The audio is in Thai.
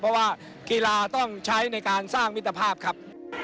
เพราะว่ากีฬาต้องใช้ในการสร้างมิตรภาพครับ